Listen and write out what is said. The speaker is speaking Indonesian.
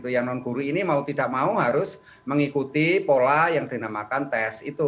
yang non guru ini mau tidak mau harus mengikuti pola yang dinamakan tes itu